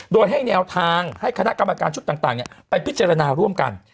โดยให้แนวทางให้คณะกรรมการชุดต่างไปพิจารณาร่วมกัน